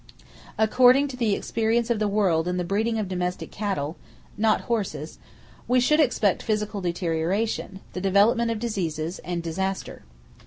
According to the experience of the world in the breeding of domestic cattle (not horses), we should expect physical deterioration, the development of diseases, and disaster.